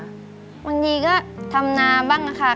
บางทีก็ทำนาบ้างค่ะ